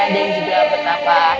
dan juga betapa